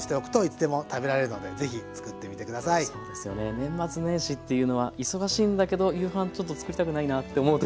年末年始というのは忙しいんだけど夕飯ちょっとつくりたくないなって思う時とかもあったりして。